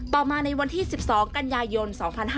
ต่อมาในวันที่๑๒กันยายน๒๕๕๙